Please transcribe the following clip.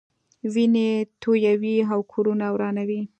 وینې تویوي او کورونه ورانوي.